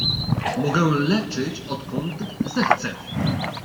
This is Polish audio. "Mogę leczyć odkąd zechcę!"